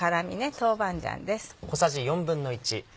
豆板醤です。